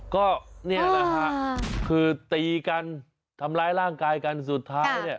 ก็นี่แหละค่ะคือตีกันทำร้ายร่างกายกันสุดท้าย